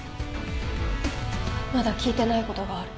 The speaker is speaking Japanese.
まだ聞いてないことがある。